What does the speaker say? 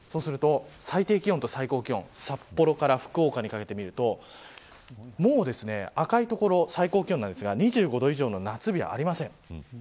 最低気温と最高気温札幌から福岡にかけて見ると赤い所、最高気温なんですが２５度以上の夏日はありません。